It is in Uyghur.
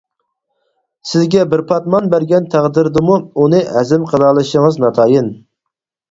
سىزگە بىر پاتمان بەرگەن تەقدىردىمۇ، ئۇنى ھەزىم قىلالىشىڭىز ناتايىن.